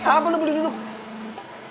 kata siapa lo beli beli dulu